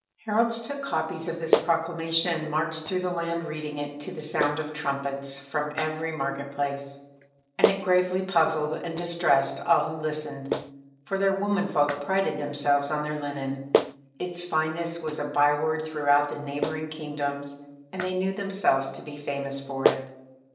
Heralds took copies of this proclamation and marched through the land reading it, to the sound of trumpets, from every market place: and it gravely puzzled and distressed all who listened, for their women folk prided themselves on their linen. Its fineness was a byword throughout the neighbouring kingdoms, and they knew themselves to be famous for it.